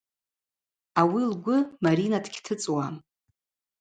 Ауи лгвы Марина дгьтыцӏуам.